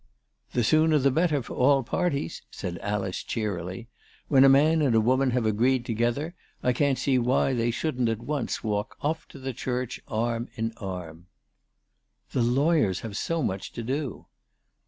" The sooner the better for all parties," said Alice cheerily. " When a man and a woman have agreed together, I can't see why they shouldn't at once walk off to the church arm in arm." ALICE DUGDALE. 399 " The lawyers have so much to do."